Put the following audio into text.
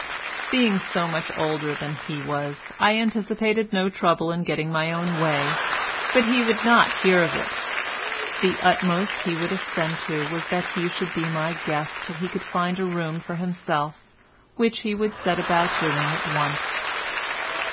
Being so much older than he was, I anticipated no trouble in getting my own way, but he would not hear of it. The utmost he would assent to was that he should be my guest till he could find a room for himself, which he would set about doing at once.